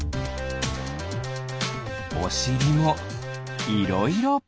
おしりもいろいろ。